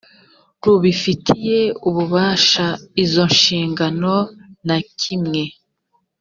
rubifitiye ububasha izo nshingano na kimwe